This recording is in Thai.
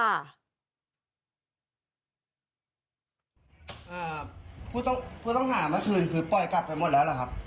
ผู้ต้องหาเมื่อคืนคือปล่อยกลับไปหมดแล้วหรือครับ